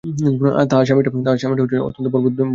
তাহার স্বামীটা অত্যন্ত বর্বর দুর্বৃত্ত।